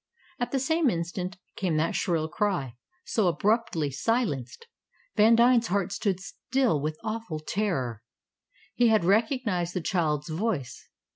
At the same instant came that shrill cry, so abruptly silenced. Vandine's heart stood still with awful terror, he had recognized the child's voice.